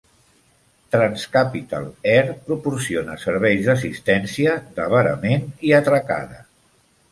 Trans-Capital Air proporciona serveis d"assistència d"avarament i atracada.